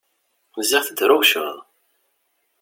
Ziɣ tedrewceḍ!